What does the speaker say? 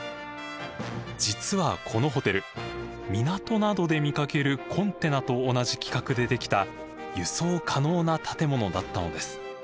実はこのホテル港などで見かけるコンテナと同じ規格でできた輸送可能な建物だったのです。